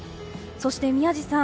そして宮司さん。